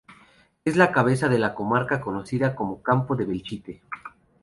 Es la cabeza de la comarca conocida como "Campo de Belchite".